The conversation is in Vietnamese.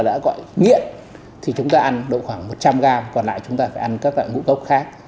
đã gọi điện thì chúng ta ăn độ khoảng một trăm linh gram còn lại chúng ta phải ăn các loại ngũ cốc khác